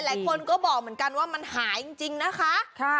หลายคนก็บอกเหมือนกันว่ามันหายจริงนะคะ